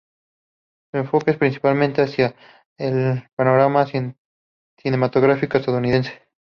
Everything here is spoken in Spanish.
Su enfoque es principalmente hacia el panorama cinematográfico estadounidense.